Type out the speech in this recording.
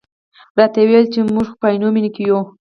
راته یې وویل چې موږ خو په عینومېنه کې یو.